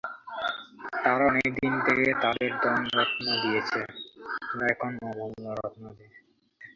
তারা অনেকদিন থেকে তাদের ধন-রত্ন দিয়েছে, তোরা এখন অমূল্য রত্ন দে।